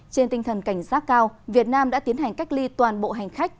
trên tinh thần cảnh giác cao việt nam đã tiến hành cách ly toàn bộ hành khách